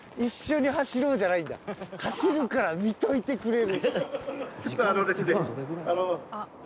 「走るから見といてくれる？」。